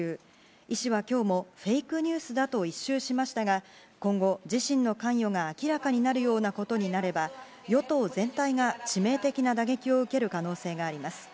イ氏は今日もフェイクニュースだと一蹴しましたが今後、自身の関与が明らかになるようなことになれば与党全体が致命的な打撃を受ける可能性があります。